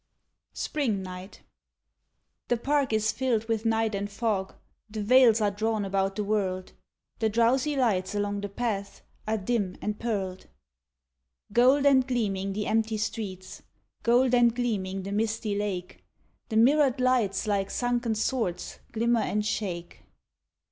Spring Night The park is filled with night and fog, The veils are drawn about the world, The drowsy lights along the paths Are dim and pearled. Gold and gleaming the empty streets, Gold and gleaming the misty lake, The mirrored lights like sunken swords, Glimmer and shake.